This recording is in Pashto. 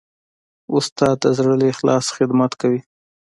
استاد د زړه له اخلاصه خدمت کوي.